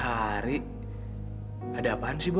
tapi gagal sampai kapan gua mesti bohong terus sama lo